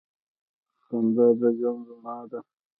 • خندا د ژوند رڼا ده.